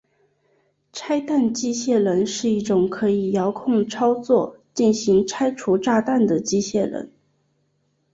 拆弹机械人是一种可以遥控操作进行拆除炸弹的机械人。